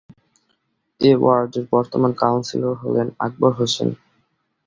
এ ওয়ার্ডের বর্তমান কাউন্সিলর হলেন আকবর হোসেন।